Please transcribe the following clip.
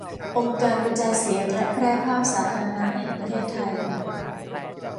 องค์การกระจายเสียงและแพร่ภาพสาธารณะแห่งประเทศไทย